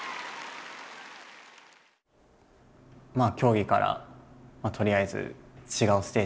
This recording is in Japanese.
まあ競技からとりあえず違うステージにいって。